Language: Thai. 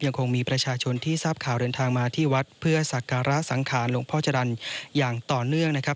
ยังคงมีประชาชนที่ทราบข่าวเดินทางมาที่วัดเพื่อสักการะสังขารหลวงพ่อจรรย์อย่างต่อเนื่องนะครับ